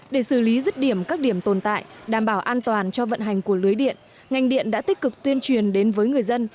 để xử lý rứt điểm các điểm tồn tại đảm bảo an toàn cho vận hành của lưới điện ngành điện đã tích cực tuyên truyền đến với người dân